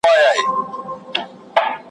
آوازونه د بلبلو هر گلبوټی ترانه ده `